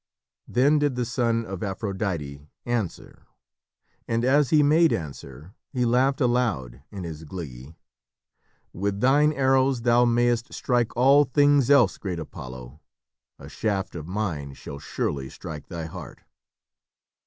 Then did the son of Aphrodite answer, and as he made answer he laughed aloud in his glee. "With thine arrows thou mayst strike all things else, great Apollo, a shaft of mine shall surely strike thy heart!"